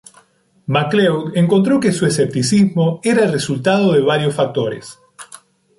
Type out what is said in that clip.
MacLeod encontró que su escepticismo era el resultado de varios factores.